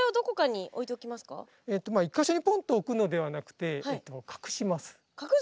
１か所にポンと置くのではなくて隠す？